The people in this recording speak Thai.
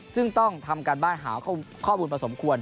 ซึ่งต้องทำการบ้านหาข้อมูลพอสมควร